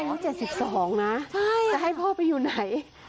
เขา๗๒นะจะให้พ่อไปอยู่ไหน